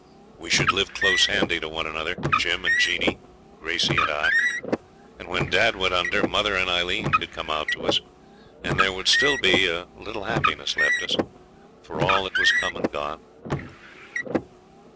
We should live close handy to one another Jim and Jeanie, Gracey and I and when dad went under, mother and Aileen could come out to us; and there would still be a little happiness left us, for all that was come and gone.